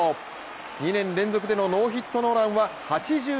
２年連続のノーヒットノーラン。